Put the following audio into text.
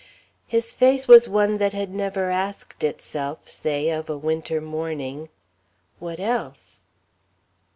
His face was one that had never asked itself, say, of a Winter morning: _What else?